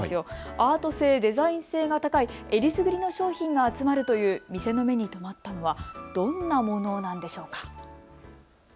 アート性、デザイン性が高いえりすぐりの商品が集まるという店の目に留まったのはどんなものなんでしょうか。